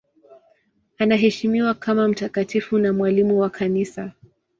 Anaheshimiwa kama mtakatifu na mwalimu wa Kanisa.